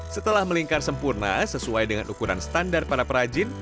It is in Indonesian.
setelah melingkar sempurna sesuai dengan ukuran standar para perajin